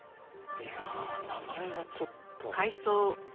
いやあ名前はちょっと。